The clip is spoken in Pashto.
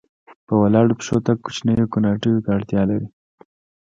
په ولاړو پښو تګ کوچنیو کوناټیو ته اړتیا لرله.